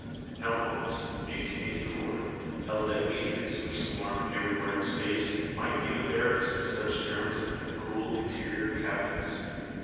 Helmholtz (1884) held that meteors which swarm everywhere in space might be the bearers of such germs in their cool interior cavities.